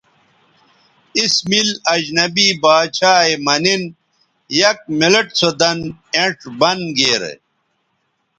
اس مِل اجنبی باڇھا یے مہ نِن یک منٹ سو دَن اینڇ بند گیرے